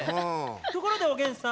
ところでおげんさん